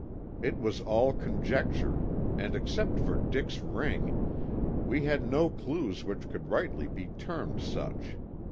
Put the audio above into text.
It was all conjecture and except for Dick's ring, we had no clues which could rightly be termed such.